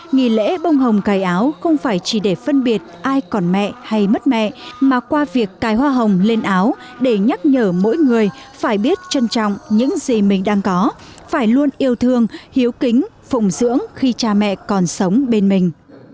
nghỉ lễ bông hồng cài áo không phải chỉ để phân biệt ai còn mẹ hay mất mẹ mà qua việc cài hoa hồng lên áo để nhắc nhở mỗi người phải biết trân trọng những gì mình đang có phải luôn yêu thương hiếu kính phụng dưỡng khi cha mẹ còn sống bên mình